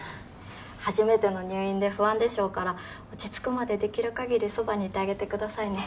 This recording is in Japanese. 初めての入院で不安でしょうから落ち着くまでできる限りそばにいてあげてくださいね。